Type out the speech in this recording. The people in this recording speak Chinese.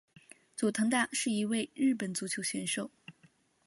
佐藤大是一位日本足球选手。